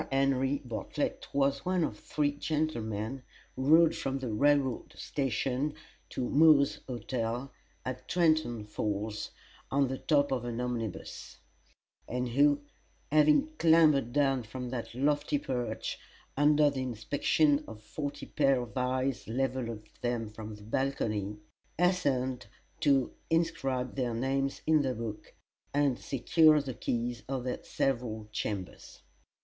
Henry Bartlett was one of three gentlemen who rode from the railroad station to Moore's Hotel, at Trenton Falls, on the top of an omnibus; and who, having clambered down from that lofty perch, under the inspection of forty pairs of eyes leveled at them from the balcony, hastened to inscribe their names in the book, and secure the keys of their several chambers.